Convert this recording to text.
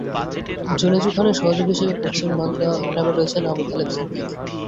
জোনেজু খানের সহযোগী হিসেবে পশ্চিম বাগধা গ্রামে রয়েছেন আবু তালেব ছিদ্দিক।